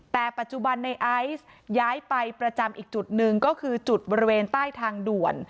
แต่ปัจจุบันในไอซ์ย้ายไปประจำอีกจุดหนึ่งก็คือจุดบริเวณใต้ทางด่วน